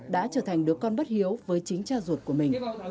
đã trở thành đứa con bất hiếu với chính cha ruột của mình